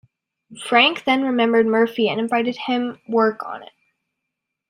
Frank then remembered Murphy and invited him work on it.